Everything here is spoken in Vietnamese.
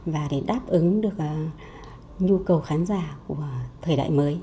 và để đáp ứng được nhu cầu khán giả của thời đại mới